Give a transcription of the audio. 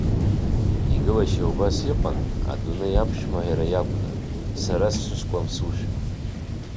Игылашьа убас иҟан, адунеи аԥшәма иара иакәны, сара сшышкамсушәа.